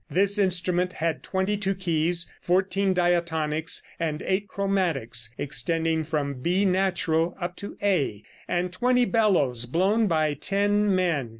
This instrument had twenty two keys, fourteen diatonics and eight chromatics, extending from B natural up to A; and twenty bellows blown by ten men.